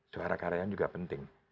suara karyawan juga penting